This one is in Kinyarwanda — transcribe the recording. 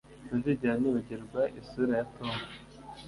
Sinzigera nibagirwa isura ya Tom